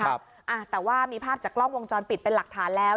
แต่ว่ามีภาพจากกล้องวงจรปิดเป็นหลักฐานแล้ว